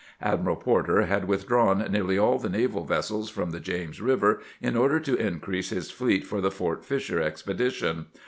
Admiral Porter had withdrawn nearly all the naval vessels from the James Eiver in order to increase his fleet for the Fort Fisher expedition.